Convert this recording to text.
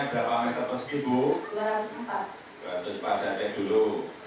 berapa meter persegi bu dua ratus empat dulu